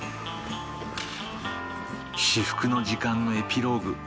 至福の時間のエピローグ